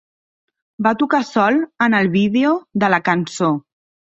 Va tocar sol en el vídeo de la cançó.